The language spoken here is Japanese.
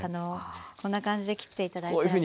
こんな感じで切って頂いたら。